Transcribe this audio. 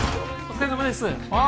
お疲れさまですああ